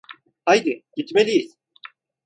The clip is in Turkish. Haydi, gitmeliyiz.